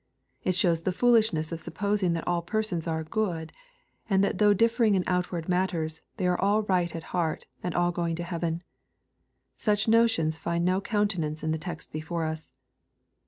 It shows the foolishness of supfjosing that all persons are "good," and that though differing in outward matters, they are all right at heart, and all going to heaven. Such notions find no countenance in the text before us.